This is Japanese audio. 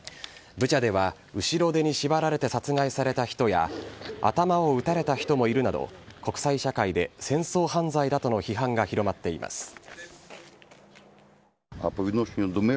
ブチャでは後ろ手に縛られて殺害された人や、頭を撃たれた人もいるなど、国際社会で戦争犯罪だとの批判が広まっています。